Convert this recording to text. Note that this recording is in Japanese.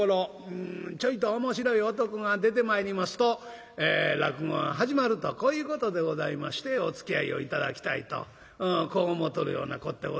ちょいと面白い男が出てまいりますと落語が始まるとこういうことでございましておつきあいを頂きたいとこう思うとるようなこってございますが。